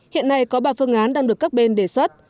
hiện nay có ba phương án đang được các bên đề xuất